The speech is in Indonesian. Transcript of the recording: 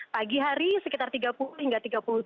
pagi hari sekitar tiga puluh hingga tiga puluh tiga